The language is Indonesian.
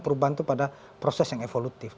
perubahan itu pada proses yang evolutif